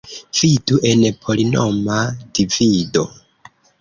Vidu en polinoma divido.